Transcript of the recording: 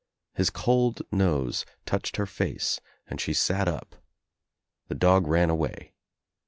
His cold nose touched her face and she sat up. The dog ran away.